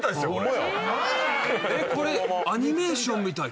これアニメーションみたい。